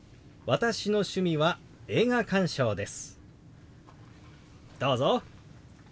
私の趣味は映画鑑賞です。